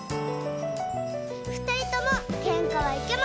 ふたりともけんかはいけません！